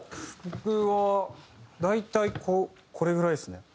僕は大体これぐらいですね。